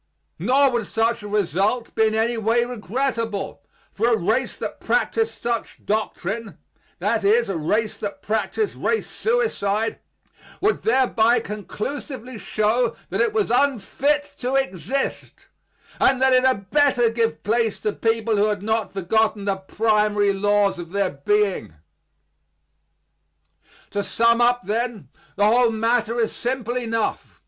Nor would such a result be in any way regrettable; for a race that practised such doctrine that is, a race that practised race suicide would thereby conclusively show that it was unfit to exist, and that it had better give place to people who had not forgotten the primary laws of their being. To sum up, then, the whole matter is simple enough.